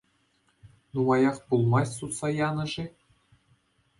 Нумаях пулмасть сутса янӑ-ши?